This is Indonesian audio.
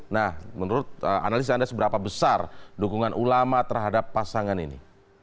nah menurut analisis anda seberapa besar dukungan ulama terhadap pasangan ini